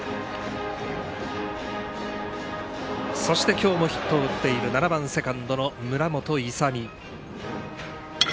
今日もヒットを打っている７番、セカンドの村本勇海。